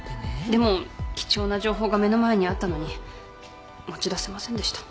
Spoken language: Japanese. でも貴重な情報が目の前にあったのに持ち出せませんでした。